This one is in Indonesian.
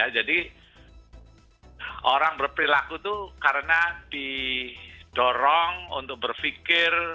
jadi orang berperilaku itu karena didorong untuk berpikir